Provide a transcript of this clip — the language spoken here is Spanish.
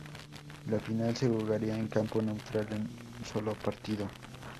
La final se jugaría en campo neutral en un solo partido.